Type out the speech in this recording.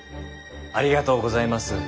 ありがとうございます。